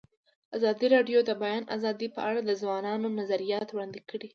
ازادي راډیو د د بیان آزادي په اړه د ځوانانو نظریات وړاندې کړي.